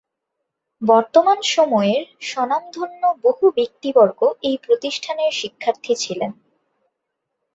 বর্তমান সময়ের স্বনামধন্য বহু ব্যক্তিবর্গ এই প্রতিষ্ঠানের শিক্ষার্থী ছিলেন।